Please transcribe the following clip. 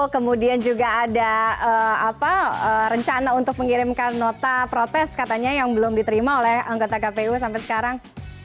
kemudian juga ada rencana untuk mengirimkan nota protes katanya yang belum diterima oleh anggota kpu sampai sekarang